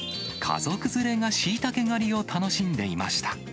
家族連れがシイタケ狩りを楽しんでいました。